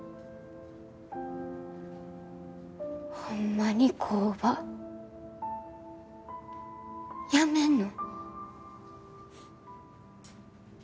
ホンマに工場やめんの？